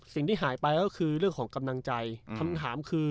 สิ่งที่หายไปก็คือเรื่องของกำลังใจคำถามคือ